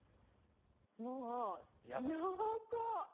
もう濃厚！